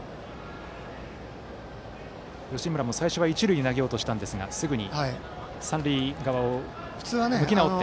吉村も最初は一塁に投げようとしたんですがすぐに三塁側に向き直って。